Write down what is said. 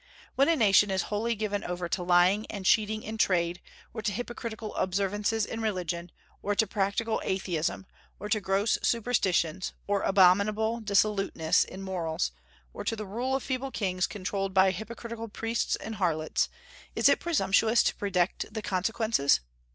When a nation is wholly given over to lying and cheating in trade, or to hypocritical observances in religion, or to practical atheism, or to gross superstitions, or abominable dissoluteness in morals, or to the rule of feeble kings controlled by hypocritical priests and harlots, is it presumptuous to predict the consequences?